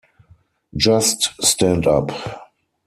Just Stand Up!